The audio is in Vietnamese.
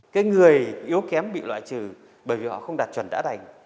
cái người yếu kém bị loại trừ bởi vì họ không đạt chuẩn đã thành